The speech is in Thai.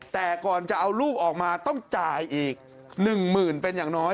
แต่ก่อนจะเอาลูกออกมาต้องจ่ายอีก๑หมื่นเป็นอย่างน้อย